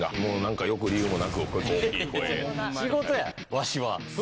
わしは。